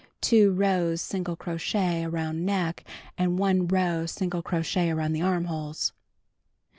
Two rows single crochet around neck and 1 row single crochet around the armholes.